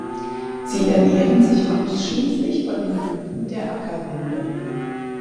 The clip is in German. Sie ernähren sich ausschließlich von den Blüten der Ackerwinde.